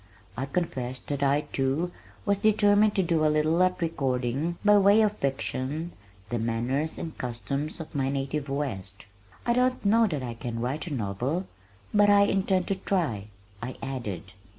I confessed that I too was determined to do a little at recording by way of fiction the manners and customs of my native West. "I don't know that I can write a novel, but I intend to try," I added.